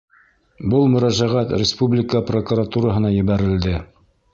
Был мөрәжәғәт республика Прокуратураһына ебәрелде.